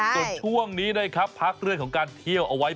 ส่วนช่วงนี้นะครับพักเรื่องของการเที่ยวเอาไว้